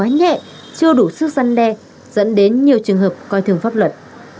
quá nhẹ chưa đủ sức dân đe dẫn đến nhiều trường hợp coi thường pháp luật